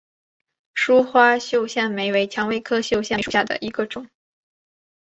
疏花绣线梅为蔷薇科绣线梅属下的一个种。